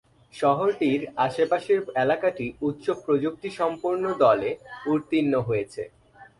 শহরটির আশেপাশের এলাকাটি উচ্চ-প্রযুক্তিসম্পন্ন দলে উত্তীর্ণ হয়েছে।